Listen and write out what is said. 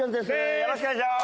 よろしくお願いします。